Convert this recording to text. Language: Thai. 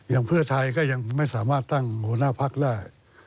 เพื่อไทยก็ยังไม่สามารถตั้งหัวหน้าพักได้